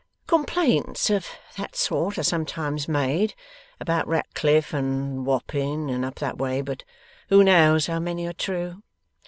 'Complaints of that sort are sometimes made, about Ratcliffe and Wapping and up that way. But who knows how many are true?